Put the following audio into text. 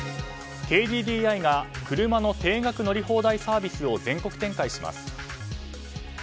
ＫＤＤＩが車の定額乗り放題サービスを全国展開します。